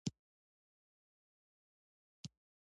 تنور د دودیزو خوړو خزانه ده